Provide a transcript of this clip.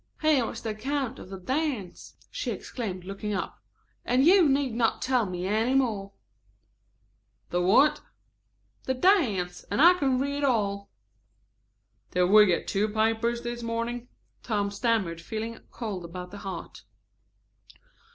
"Here is the account of the dance," she exclaimed, looking up, "and you need not tell me any more " "The what!" "The dance, and I can read all " "Did we get two papers this morning?" Tom stammered, feeling cold about the heart.